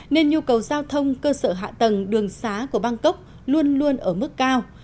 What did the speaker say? nên nhu cầu giao thông cơ sở hạ tầng đường xá của bangkok luôn luôn ở mức cao